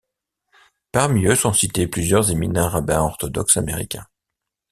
Parmi eux sont cités plusieurs éminents rabbins orthodoxes américains.